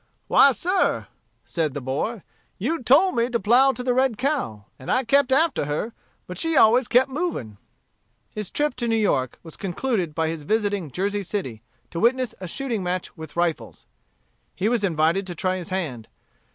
'Why, sir,' said the boy, 'you told me to plough to the red cow, and I kept after her, but she always kept moving.'" His trip to New York was concluded by his visiting Jersey City to witness a shooting match with rifles. He was invited to try his hand.